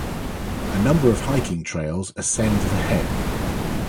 A number of hiking trails ascend the Head.